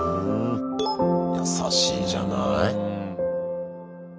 優しいじゃない。